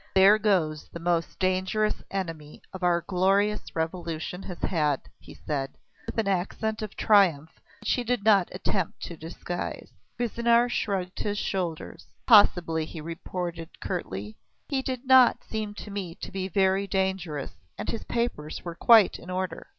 "There goes the most dangerous enemy our glorious revolution has had," he said, with an accent of triumph which he did not attempt to disguise. Cuisinier shrugged his shoulders. "Possibly," he retorted curtly. "He did not seem to me to be very dangerous and his papers were quite in order."